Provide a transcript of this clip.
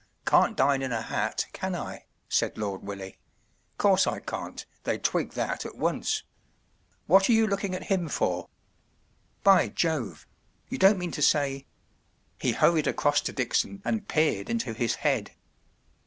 “ Can’t dine in a hat, can I ? ” said Lord Willie. “ Course I can’t—they’d twig that at once. What are you looking at him for ? By Jove ! You don’t mean to say ” He hurried across to Dickson and peered into his head.